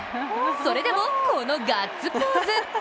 それでもこのガッツポーズ！